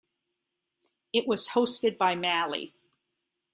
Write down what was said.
It was hosted by Mali.